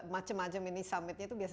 macem macem ini summitnya itu biasanya